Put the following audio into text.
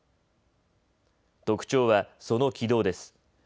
特徴はその軌道です。